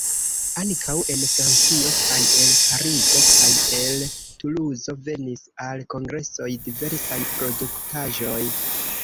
Ankaŭ en Francio kaj el Parizo kaj el Tuluzo venis al kongresoj diversaj produktaĵoj.